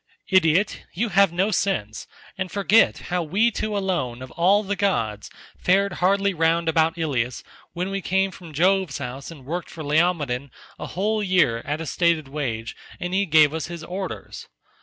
Idiot, you have no sense, and forget how we two alone of all the gods fared hardly round about Ilius when we came from Jove's house and worked for Laomedon a whole year at a stated wage and he gave us his orders.